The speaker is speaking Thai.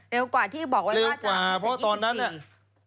เร็วกว่าที่บอกว่าจะ๒๔ปี